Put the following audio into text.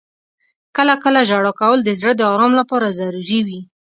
• کله کله ژړا کول د زړه د آرام لپاره ضروري وي.